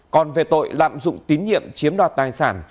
còn về tội lạm dụng tín nhiệm chiếm đoạt tài sản